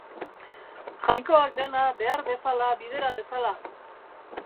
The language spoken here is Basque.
Jainkoak dena behar bezala bidera dezala!